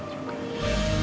nggak boleh mikirin anak juga